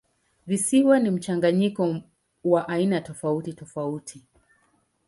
Visiwa ni mchanganyiko wa aina tofautitofauti.